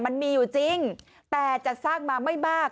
มันมีอยู่จริงแต่จะสร้างมาไม่มาก